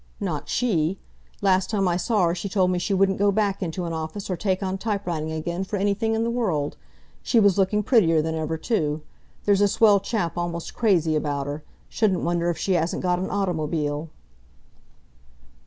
"Not she! Last time I saw her she told me she wouldn't go back into an office, or take on typewriting again, for anything in the world. She was looking prettier than ever, too. There's a swell chap almost crazy about her. Shouldn't wonder if she hasn't got an automobile."